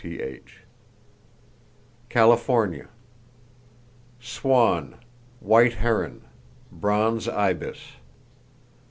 [Page 47] California: Swan, white heron, bronze ibis.